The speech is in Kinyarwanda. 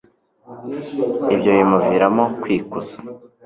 ibyo bimuviramo kwikuza